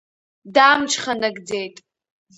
Дамҽханакӡеит.